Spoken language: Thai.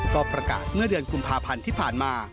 ก็ประกาศเมื่อเดือนกุมภาพันธ์ที่ผ่านมา